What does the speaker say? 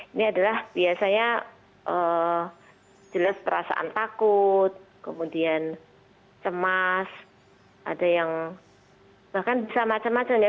ini adalah biasanya jelas perasaan takut kemudian cemas ada yang bahkan bisa macam macam ya